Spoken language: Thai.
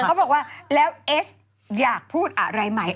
เขาบอกว่าแล้วเอสอยากพูดอะไรไหม